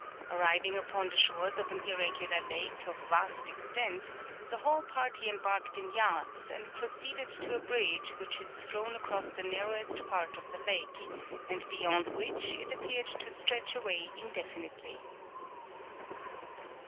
Arriving upon the shores of an irregular lake, of vast extent, the whole party embarked in yachts, and proceeded to a bridge which is thrown across the narrowest part of the lake, and beyond which it appeared to stretch away indefinitely.